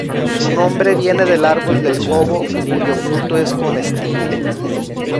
Su nombre viene del árbol del Jobo cuyo fruto es comestible.